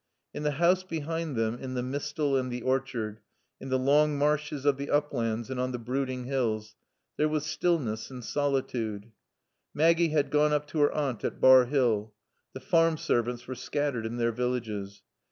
In the house behind them, in the mistal and the orchard, in the long marshes of the uplands and on the brooding hills there was stillness and solitude. Maggie had gone up to her aunt at Bar Hill. The farm servants were scattered in their villages.